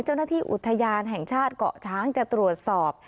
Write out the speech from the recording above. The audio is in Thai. เจ้าหน้าที่อุทยานแห่งชาติเกาะช้างจะตรวจสอบ